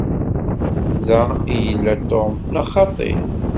Da i yella Tom, neɣ xaṭi?